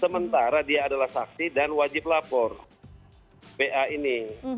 sementara dia adalah saksi dan wajib lapor va ini